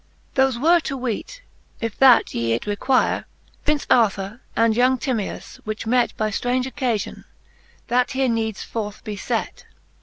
Tliofe were to weet (if that ye it require) Prince Arthur and young 7'imias, which met By ftraunge occafion, that here needs forth be fet.